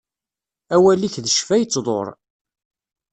Awal-ik d ccfa yettḍur.